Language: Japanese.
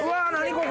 ここ。